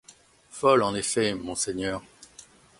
Folle en effet, monseigneur!